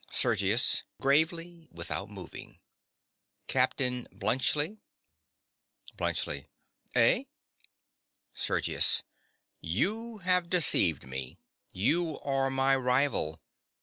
SERGIUS. (gravely, without moving). Captain Bluntschli. BLUNTSCHLI. Eh? SERGIUS. You have deceived me. You are my rival.